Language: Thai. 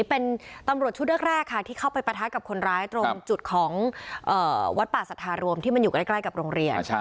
เป็นตำรวจชุดแรกค่ะที่เข้าไปปะทะกับคนร้ายตรงจุดของวัดป่าสัทธารวมที่มันอยู่ใกล้กับโรงเรียน